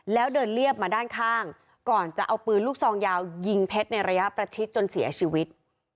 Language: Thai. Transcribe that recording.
แล้วเดินเรียบมาด้านข้างก่อนจะเอาปืนลูกซองยาวยิงเพชรในระยะประชิดจนเสียชีวิต